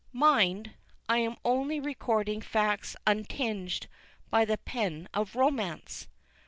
Mind, I am only recording facts untinged by the pen of romance!